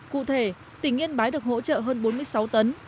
cụ thể tỉnh yên bái được hỗ trợ hơn bốn mươi sáu tấn